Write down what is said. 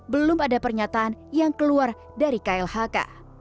belum ada pernyataan yang keluar dari klhk